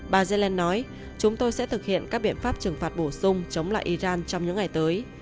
bà zelen nói chúng tôi sẽ thực hiện các biện pháp trừng phạt bổ sung chống lại iran trong những ngày tới